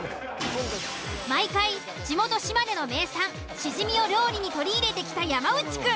毎回地元・島根の名産シジミを料理に取り入れてきた山内くん。